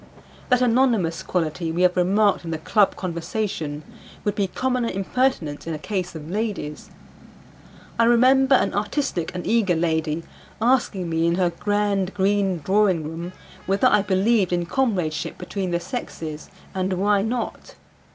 That anonymous quality we have remarked in the club conversation would be common impertinence in a case of ladies. I remember an artistic and eager lady asking me in her grand green drawing room whether I believed in comradeship between the sexes, and why not.